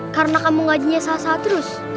karena kamu ngajinya salah salah terus